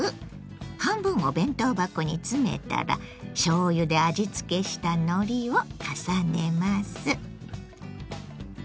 半分を弁当箱に詰めたらしょうゆで味付けしたのりを重ねます。